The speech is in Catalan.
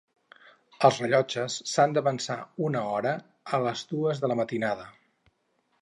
Els rellotges s'han d'avançar una hora a les dues de la matinada.